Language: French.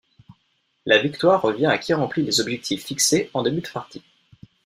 La victoire revient à qui remplit les objectifs fixés en début de partie.